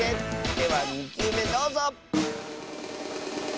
では２きゅうめどうぞ！